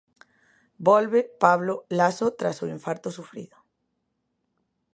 Volve Pablo Laso tras o infarto sufrido.